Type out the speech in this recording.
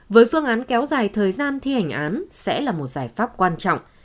với phương án kéo dài thời gian thi hành án sẽ là một giải pháp quan trọng